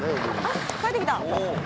あっ帰って来た。